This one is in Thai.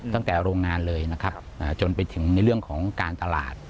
ตั้งแต่โรงงานเลยจนไปถึงในเรื่องของการตลาด